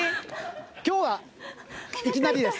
きょうは、いきなりです。